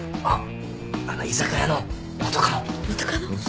あっあの居酒屋の元カノ？